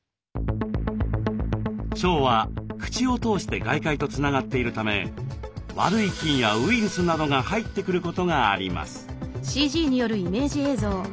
腸は口を通して外界とつながっているため悪い菌やウイルスなどが入ってくることがあります。